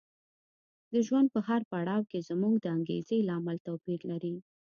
د ژوند په هر پړاو کې زموږ د انګېزې لامل توپیر لري.